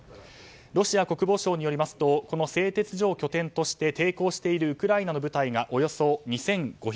ロシア国防省によりますとこの製鉄所を拠点として抵抗しているウクライナの部隊がおよそ２５００人。